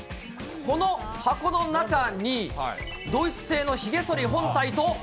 この箱の中に、ドイツ製のひげそり本体と。